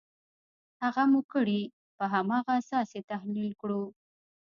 هڅه مو کړې په هماغه اساس یې تحلیل کړو.